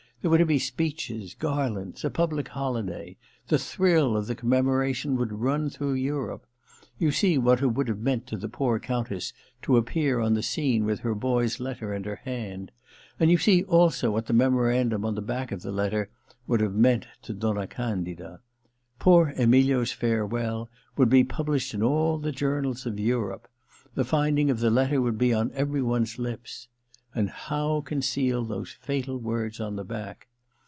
There were to be speeches, garlands, a public holiday : the thrill of the commemoration would run through Europe. You see what it would have meant to the poor Countess to appear on the scene with her boy's letter in her hand ; and you see also what the memorandum on the back of the letter 252 THE LETTER n would have meant to Donna Guidida. Poor EmIlio*8 farewell would be published in all the journals of Europe : the finding of the letter would be on every one's lips. And how con ceal those fatal words on the back?